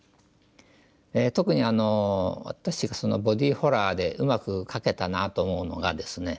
特にボディーホラーでうまく描けたなと思うのがですね